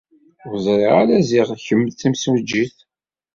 Ur ẓriɣ ara ziɣ kemm d timsujjit.